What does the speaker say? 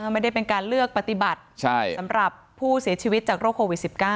ไม่ได้เป็นการเลือกปฏิบัติสำหรับผู้เสียชีวิตจากโรคโควิด๑๙